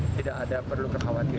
tidak ada perlu kekhawatiran